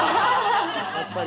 やっぱり。